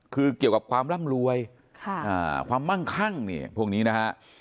คือเกี่ยวกับความร่ำรวยความมั่งคั่งเนี่ยพวกนี้นะฮะ